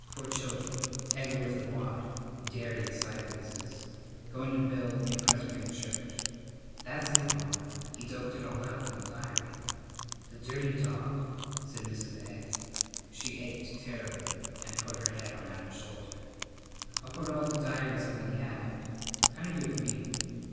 Four children. Egg worth a wad. Dairy and cider business. Going to build new Presbyterian church.' That's it, Mamma. He doped it all out from the diary." "The dirty dog!" said Mrs. Egg. She ached terribly and put her head on Adam's shoulder. "I'll put all the diaries up in the attic. Kind of good readin.'